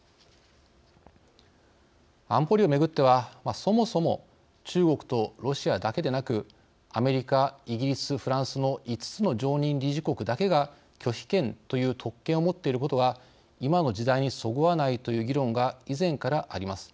安保理を巡ってはそもそも中国とロシアだけでなくアメリカイギリスフランスの５つの常任理事国だけが拒否権という特権を持っていることが今の時代にそぐわないという議論が以前からあります。